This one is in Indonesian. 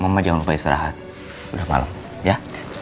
mama jangan lupa istirahat udah malam ya